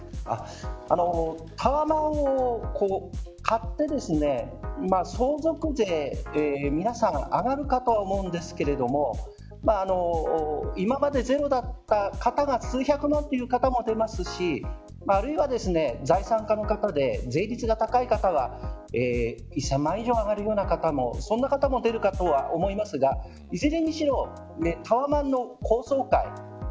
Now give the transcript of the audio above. タワマンを買って相続税、皆さん上がるかと思うんですけど今までゼロだった方が数百万という方も出ますしあるいは、財産家の方で税率が高い方は１０００万円以上上がるような方もいるとは思いますがいずれにしろタワマンの高層階